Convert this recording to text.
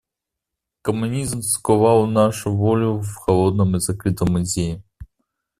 Коммунизм сковал нашу волю в холодном и закрытом музее.